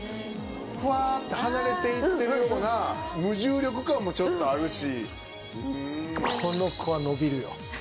フワって離れていってるような無重力感もちょっとあるし。